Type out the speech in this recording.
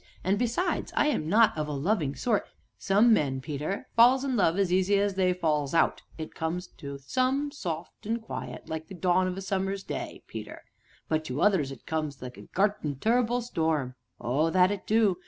and, besides, I am not of a loving sort " "Some men, Peter, falls in love as easy as they falls out; it comes to some soft an' quiet like the dawn of a summer's day, Peter; but to others it comes like a gert an' tur'ble storm oh, that it do!